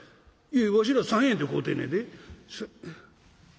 「いやわしら３円で買うてんねやで」。